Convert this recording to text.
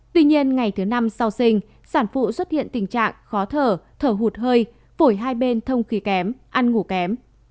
tuy nhiên ngày thứ năm sau sinh sản phụ xuất hiện tình trạng khó thở thở hụt hơi phổi hai bên thông khí kém ăn ngủ kém